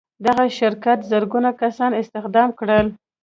دغه شرکت زرګونه کسان استخدام کړل.